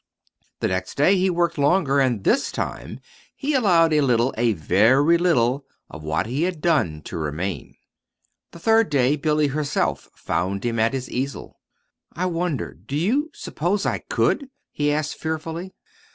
The next day he worked longer, and this time he allowed a little, a very little, of what he had done to remain. The third day Billy herself found him at his easel. "I wonder do you suppose I could?" he asked fearfully.